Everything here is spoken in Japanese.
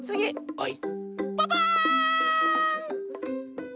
はい。